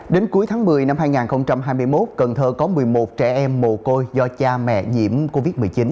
đến cuối tháng một mươi năm hai nghìn hai mươi một cần thơ có một mươi một trẻ em mồ côi do cha mẹ nhiễm covid một mươi chín